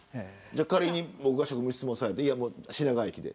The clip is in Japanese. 仮に僕が職質されて品川駅で。